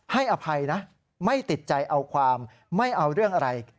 อภัยนะไม่ติดใจเอาความไม่เอาเรื่องอะไร